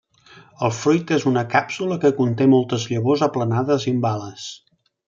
El fruit és una càpsula que conté moltes llavors aplanades i amb ales.